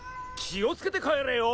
気を付けて帰れよ！